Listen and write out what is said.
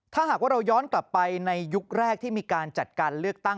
ถ้าหากว่าเราย้อนกลับไปในยุคแรกที่มีการจัดการเลือกตั้ง